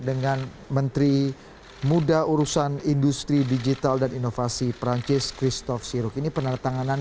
dengan menteri muda urusan industri digital dan inovasi perancis christoph siruk ini penandatanganan